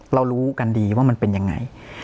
รู้กันดีว่ามันเป็นยังไง